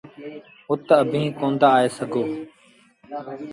اُت اڀيٚنٚ ڪوندآ آئي سگھو۔